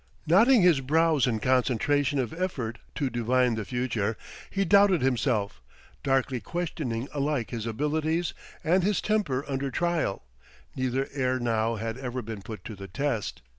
Knotting his brows in concentration of effort to divine the future, he doubted himself, darkly questioning alike his abilities and his temper under trial; neither ere now had ever been put to the test.